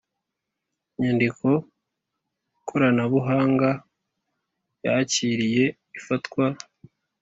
nyandiko koranabuhanga yakiriye ifatwa